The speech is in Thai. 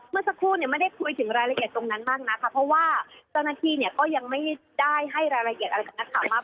เมื่อสักครู่เนี่ยไม่ได้คุยถึงรายละเอียดตรงนั้นมากนะคะเพราะว่าเจ้าหน้าที่เนี่ยก็ยังไม่ได้ให้รายละเอียดอะไรกับนักข่าวมาก